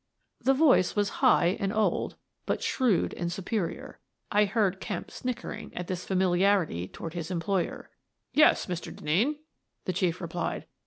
The voice was high and old, but shrewd and su perior. I heard Kemp snickering at this familiarity toward his employer. "Yes, Mr. Denneen," the Chief replied.